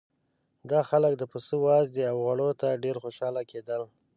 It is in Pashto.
دا خلک د پسه وازدې او غوړو ته ډېر خوشاله کېدل.